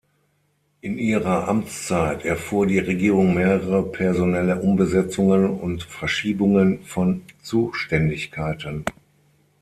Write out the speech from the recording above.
In ihrer Amtszeit erfuhr die Regierung mehrere personelle Umbesetzungen und Verschiebungen von Zuständigkeiten.